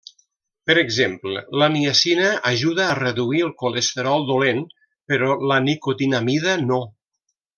Per exemple, la niacina ajuda a reduir el colesterol dolent però la nicotinamida no.